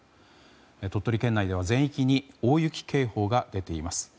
鳥取県内では全域に大雪警報が出ています。